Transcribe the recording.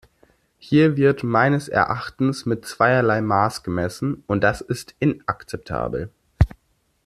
Hier wird meines Erachtens mit zweierlei Maß gemessen, und das ist inakzeptabel.